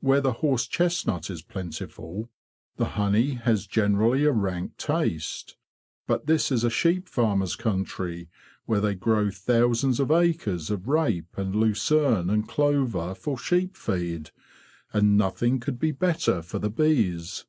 Where the horse chestnut is plentiful the honey has generally a rank NIGHT ON A HONEY FARM 63 taste. But this is a sheep farmers' country, where they grow thousands of acres of rape and lucerne and clover for sheep feed; and nothing could be better for the bees."